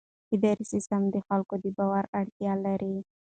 اداري سیستم د خلکو د باور اړتیا لري.